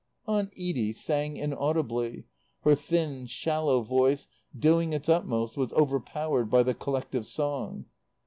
Aunt Edie sang inaudibly, her thin shallow voice, doing its utmost, was overpowered by the collective song.